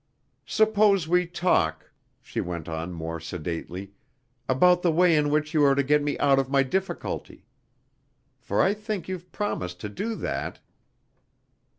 "Suppose we talk," she went on more sedately, "about the way in which you are to get me out of my difficulty for I think you've promised to do that."